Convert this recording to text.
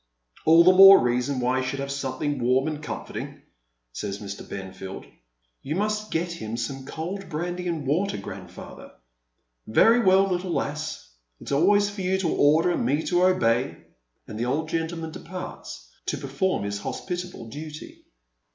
"All the more reason why he should have something warm and comforting," says ilr. Benfield. " You must get him some cold brandy and water, grandfather.'' " Very well, little lass, it's always for you to order and me to obey ;" and the old gentleman departs to perform his hospitable duty.